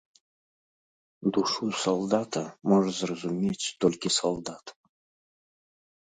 Душу салдата можа зразумець толькі салдат.